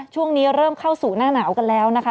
ช่วงนี้เริ่มเข้าสู่หน้าหนาวกันแล้วนะคะ